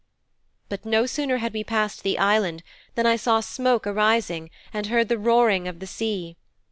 But no sooner had we passed the Island than I saw smoke arising and heard the roaring of the sea.